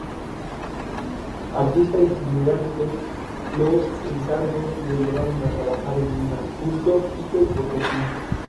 Van Diemen sigue adelante y establece una pista falsa para Carlyle y sus hombres.